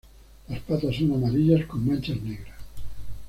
Las patas son amarillas con manchas negras.